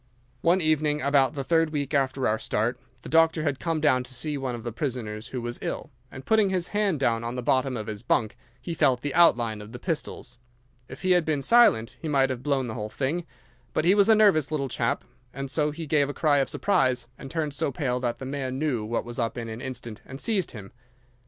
"'One evening, about the third week after our start, the doctor had come down to see one of the prisoners who was ill, and putting his hand down on the bottom of his bunk he felt the outline of the pistols. If he had been silent he might have blown the whole thing, but he was a nervous little chap, so he gave a cry of surprise and turned so pale that the man knew what was up in an instant and seized him.